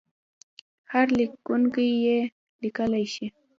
هر لیکونکی یې لیکلای شي.